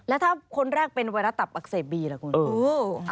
แล้วถ้าคนแรกเป็นวัฒนศัพท์อักเสบีหรือคุณคุณ